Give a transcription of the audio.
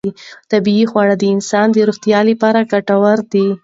طبیعي خواړه د انسان د روغتیا لپاره ډېر ګټور دي.